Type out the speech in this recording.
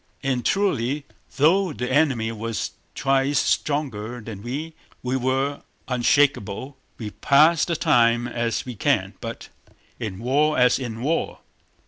And truly though the enemy was twice stronger than we, we were unshakable. We pass the time as we can, but in war as in war!